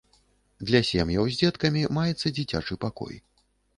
Для сем'яў з дзеткамі маецца дзіцячы пакой.